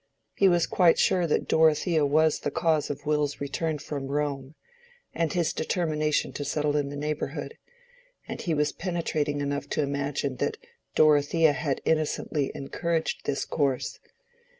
He was quite sure that Dorothea was the cause of Will's return from Rome, and his determination to settle in the neighborhood; and he was penetrating enough to imagine that Dorothea had innocently encouraged this course.